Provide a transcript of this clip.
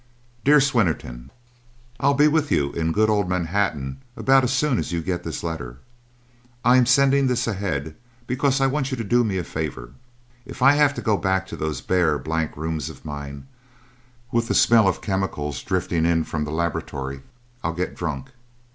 "Dear Swinnerton, "I'll be with you in good old Manhattan about as soon as you get this letter. I'm sending this ahead because I want you to do me a favour. If I have to go back to those bare, blank rooms of mine with the smell of chemicals drifting in from the laboratory, I'll get drunk.